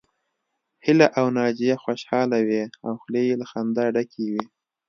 هيله او ناجيه خوشحاله وې او خولې يې له خندا ډکې وې